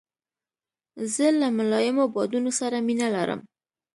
زه له ملایمو بادونو سره مینه لرم.